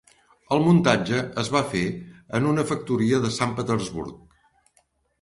El muntatge es va fer en una factoria de Sant Petersburg.